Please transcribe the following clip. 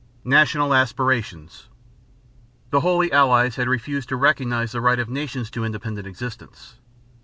NATIONAL ASPIRATIONS. The Holy Allies had refused to recognize the right of nations to independent existence.